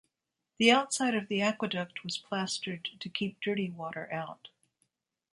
The outside of the aqueduct was plastered to keep dirty water out.